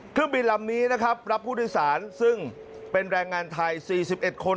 เครื่องบินลำนี้นะครับรับผู้โดยสารซึ่งเป็นแรงงานไทย๔๑คน